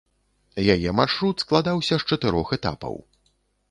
Яе маршрут складаўся з чатырох этапаў.